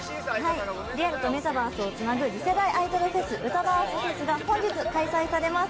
リアルとメタバースをつなぐ次世代アイドルフェスアイドル“ウタ”バースＦＥＳが開催されます。